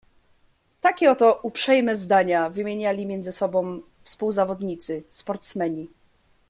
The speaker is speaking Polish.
"Takie oto uprzejme zdania wymieniali między sobą współzawodnicy, sportsmeni."